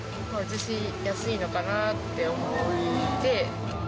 写しやすいのかなって思って。